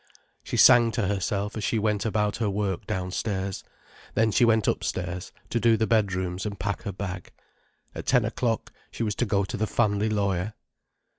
She sang to herself as she went about her work downstairs. Then she went upstairs, to do the bedrooms and pack her bag. At ten o'clock she was to go to the family lawyer.